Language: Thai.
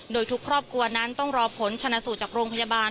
โดยทุกครอบครัวนั้นต้องรอผลชนะสูตรจากโรงพยาบาล